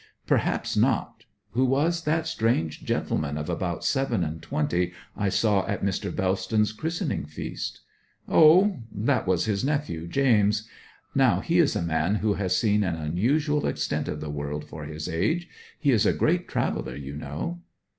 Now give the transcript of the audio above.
'Perhaps not. Who was that strange gentleman of about seven and twenty I saw at Mr. Bellston's christening feast?' 'Oh that was his nephew James. Now he is a man who has seen an unusual extent of the world for his age. He is a great traveller, you know.'